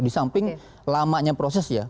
di samping lamanya proses ya